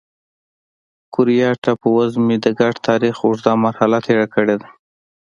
کوریا ټاپو وزمې د ګډ تاریخ اوږده مرحله تېره کړې ده.